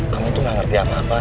kamu tuh gak ngerti apa apa